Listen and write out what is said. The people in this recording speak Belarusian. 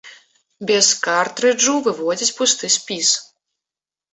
Без картрыджу выводзіць пусты спіс.